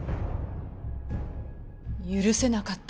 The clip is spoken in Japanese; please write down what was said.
許せなかった。